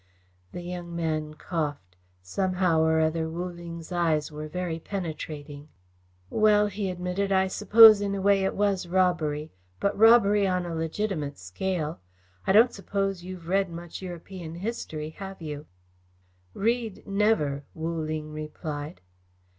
The young man coughed. Somehow or other Wu Ling's eyes were very penetrating. "Well," he admitted, "I suppose in a way it was robbery, but robbery on a legitimate scale. I don't suppose you've read much European history, have you?" "Read never," Wu Ling replied.